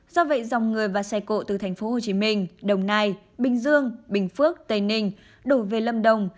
do vậy dòng người và xe cộ từ thành phố hồ chí minh đồng nai bình dương bình phước tây ninh đổ về lâm đồng